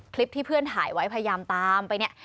คลิปที่เพื่อนถ่ายไว้พยายามตามไปเนี่ย